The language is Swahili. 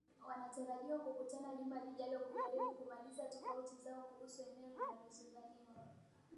wanatarajiwa kukutana juma lijalo kujaribu kumaliza tofauti zao kuhusu eneo linalo zozaniwa